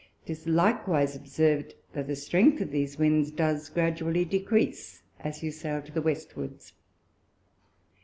'Tis likewise observ'd, that the strength of these Winds does gradually decrease, as you sail to the Westwards.